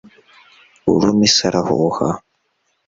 uruma isi arahuha